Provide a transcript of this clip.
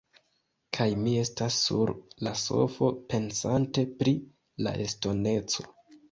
Kaj mi estas sur la sofo pensante pri la estoneco.